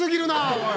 おい。